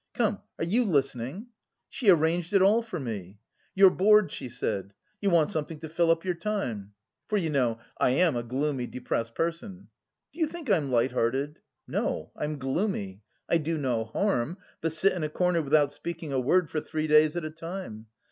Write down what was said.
Come, are you listening? She arranged it all for me. You're bored, she said, you want something to fill up your time. For, you know, I am a gloomy, depressed person. Do you think I'm light hearted? No, I'm gloomy. I do no harm, but sit in a corner without speaking a word for three days at a time.